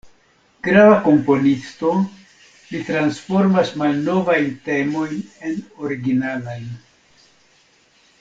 Grava komponisto, li transformas malnovajn temojn en originalajn.